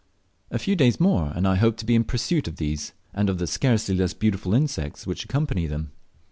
A few days more and I hoped to be in pursuit of these, and of the scarcely less beautiful insects which accompany them.